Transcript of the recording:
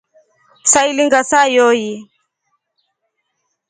Sailinga saa yooyi.